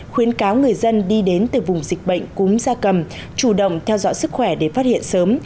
khuyến cáo người dân đi đến từ vùng dịch bệnh cúm da cầm chủ động theo dõi sức khỏe để phát hiện sớm